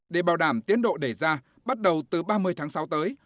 để bảo đảm tiến độ đẩy ra bắt đầu từ ba mươi tháng sáu tới